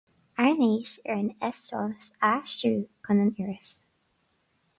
Airnéis ar an Eastát a aistriú chun an Fhorais.